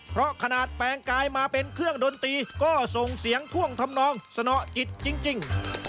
เพราะขนาดแปลงกายมาเป็นเครื่องดนตรีก็ส่งเสียงท่วงทำนองสนอิตจริง